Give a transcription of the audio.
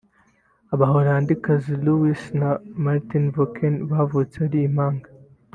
Abaholandikazi Louise na Martine Fokken bavutse ari impanga